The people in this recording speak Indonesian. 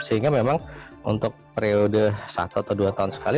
sehingga memang untuk periode satu atau dua tahun sekali